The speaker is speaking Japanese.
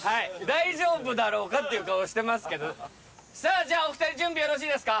「大丈夫だろうか？」っていう顔をしてますけどさあじゃあお二人準備よろしいですか？